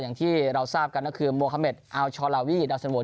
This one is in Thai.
อย่างที่เราทราบกันก็คือโมฮาเมดอัลชอลาวีดาวสันโด